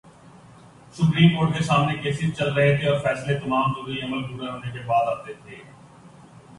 Supreme court کے سامنے cases چل رہے تھے اور فیصلے تمام ضروری عمل پورا ہونے کے بعد آنے تھے۔